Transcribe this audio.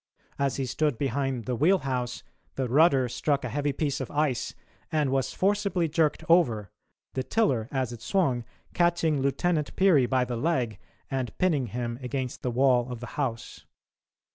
As he stood behind the wheelhouse, the rudder struck a heavy piece of ice and was forcibly jerked over, the tiller, as it swung, catching Lieutenant Peary by the leg and pinning him against the wall of the house.